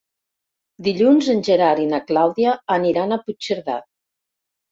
Dilluns en Gerard i na Clàudia aniran a Puigcerdà.